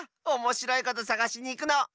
おもしろいことさがしにいくの。